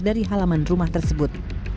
dari halaman rumah tersebut